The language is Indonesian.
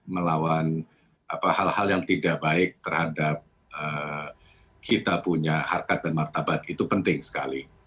melawan hal hal yang tidak baik terhadap kita punya harkat dan martabat itu penting sekali